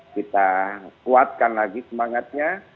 kita kuatkan lagi semangatnya